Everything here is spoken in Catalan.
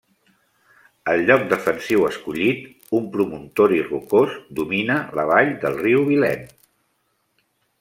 El lloc defensiu escollit, un promontori rocós, domina la vall del riu Vilaine.